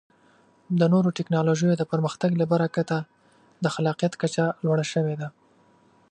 د نوو ټکنالوژیو د پرمختګ له برکته د خلاقیت کچه لوړه شوې ده.